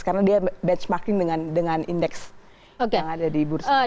karena dia benchmarking dengan indeks yang ada di bursa